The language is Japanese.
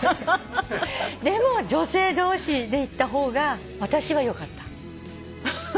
でも女性同士で行った方が私はよかった。ハハハ。